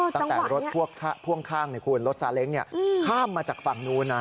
ตั้งแต่รถพ่วงข้างรถซาเล็งค์เนี่ยข้ามมาจากฝั่งนู้นนะ